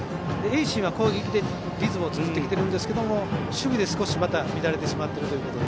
盈進は攻撃でリズムを作ってきてるんですが守備でまた少し乱れてきてしまっている。